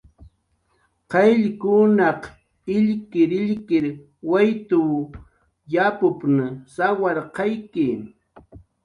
"Qayllkunaq illkirillkir waytw yapup""n sawarqayki."